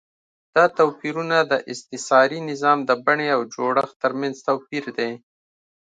دا توپیرونه د استثاري نظام د بڼې او جوړښت ترمنځ توپیر دی.